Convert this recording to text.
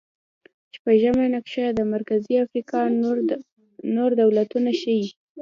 شپږمه نقشه د مرکزي افریقا نور دولتونه ښيي.